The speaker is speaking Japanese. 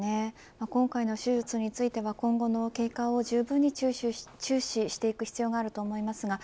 今回の手術については今後の経過をじゅうぶんに注視していく必要があると思います。